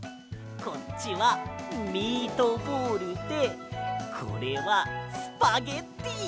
こっちはミートボールでこれはスパゲッティ！